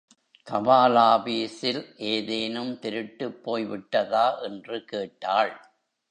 தபாலாபீஸில் ஏதேனும் திருட்டுப் போய் விட்டதா என்று கேட்டாள்.